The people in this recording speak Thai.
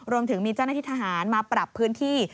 รวมถึงมีเจ้าหน้าที่ทหารมาปรับพื้นที่